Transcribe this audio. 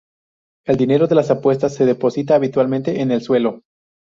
El dinero de las apuestas se deposita, habitualmente, en el suelo.